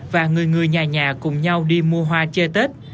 và người người nhà nhà cùng nhau đi mua hoa chơi tết